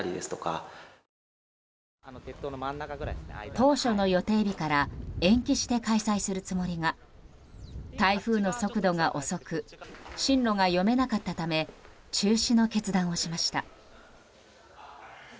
当初の予定日から延期して開催するつもりが台風の速度が遅く進路が読めなかったため中止の決断をしました。